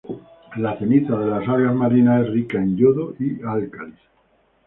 La ceniza de las algas marinas es rica en yodo y álcalis.